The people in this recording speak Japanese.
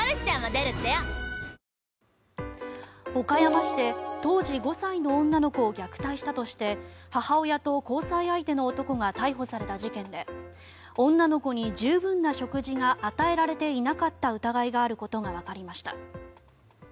岡山市で当時５歳の女の子を虐待したとして母親と交際相手の男が逮捕された事件で女の子に十分な食事が与えられていなかった疑いがあることがわかりました。